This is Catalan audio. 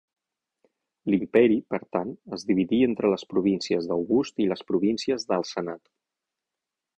L'imperi, per tant, es dividí entre les províncies d'August i les províncies del Senat.